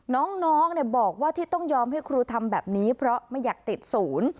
น้องบอกว่าที่ต้องยอมให้ครูทำแบบนี้เพราะไม่อยากติดศูนย์